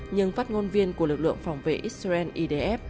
nhưng phát ngôn viên của lực lượng phòng vệ israel idf